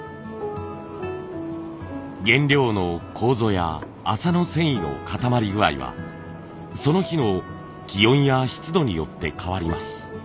原料の楮や麻の繊維の固まり具合はその日の気温や湿度によって変わります。